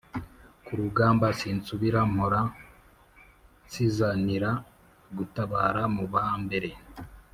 ku rugamba sinsubira mpora nsizanira gutabara mu ba mbere